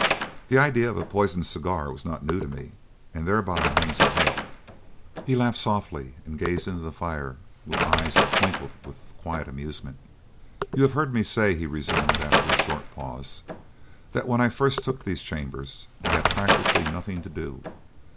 The idea of a poisoned cigar was not new to me and thereby hangs a tale." He laughed softly and gazed into the fire with eyes that twinkled with quiet amusement. "You have heard me say," he resumed, after a short pause, "that when I first took these chambers I had practically nothing to do.